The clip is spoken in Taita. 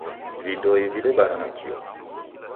Vidoi vedibara nakio.